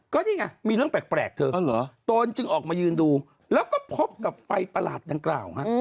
ก็นี่ไงมีเรื่องแปลกเธอตนจึงออกมายืนดูแล้วก็พบกับไฟประหลาดดังกล่าวฮะ